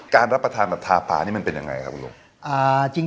การรับประทานแบบทาพานี่มันเป็นอย่างไรครับลุง